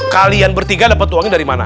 kalian bertiga dapat uangnya dari mana